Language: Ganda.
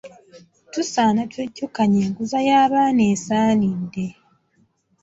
Tusaana twejjukanye enkuza y'abaana esaanidde.